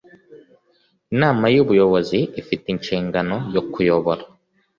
Inama y Ubuyobozi ifite inshingano yo kuyobora